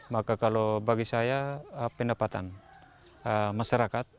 maka kalau bagi saya pendapatan masyarakat